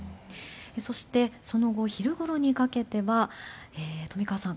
そして、その後昼ごろにかけては富川さん